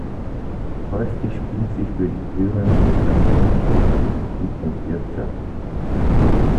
Häufig spielt sie für die führenden Personen aus Politik und Wirtschaft.